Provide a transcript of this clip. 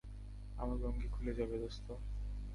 আমার লুঙ্গি খুলে যাবে, দোস্ত।